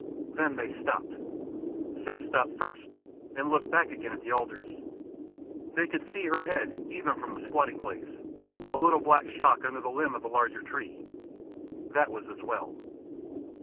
Then they stopped. Siss stopped first and looked back again at the alders. They could see her head even from the squatting place, a little black shock under the limb of the larger tree. That was as well.